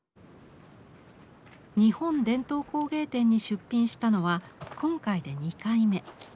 日本伝統工芸展に出品したのは今回で２回目。